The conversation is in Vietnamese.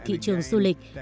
thị trường du lịch